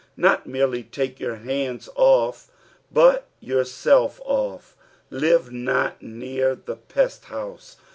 Not merely take your hands off, 'but yourself off. Live not near the pest bouse.